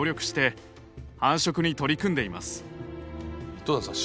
井戸田さん